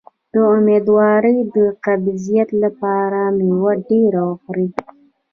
د امیدوارۍ د قبضیت لپاره میوه ډیره وخورئ